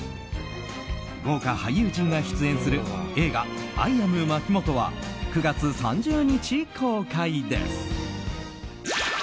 豪華俳優陣が出演する映画「アイ・アムまきもと」は９月３０日公開です。